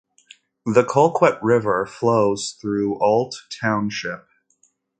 The Cloquet River flows through Ault Township.